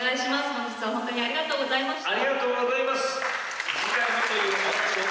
本日は本当にありがとうございました。